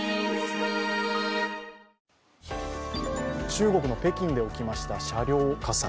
中国の北京で起きました車両火災。